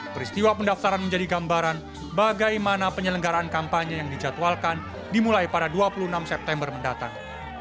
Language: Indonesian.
peristiwa pendaftaran menjadi gambaran bagaimana penyelenggaraan kampanye yang dijadwalkan dimulai pada dua puluh enam september mendatang